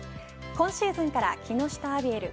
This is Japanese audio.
今シーズンから木下アビエル